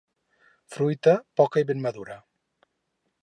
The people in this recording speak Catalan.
Fruita, poca i ben madura.